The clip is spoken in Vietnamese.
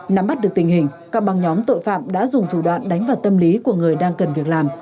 nắm bắt được tình hình các băng nhóm tội phạm đã dùng thủ đoạn đánh vào tâm lý của người đang cần việc làm